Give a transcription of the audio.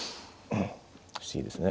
不思議ですね。